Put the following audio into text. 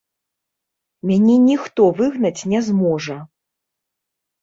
Мяне ніхто выгнаць не зможа.